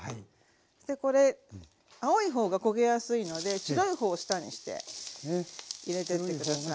これ青い方が焦げやすいので白い方を下にして入れてって下さい。